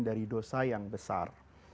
dari dosa yang besar